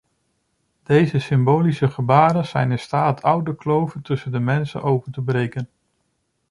Deze symbolische gebaren zijn in staat oude kloven tussen de mensen open te breken.